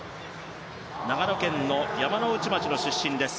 長野県山ノ内町の出身です。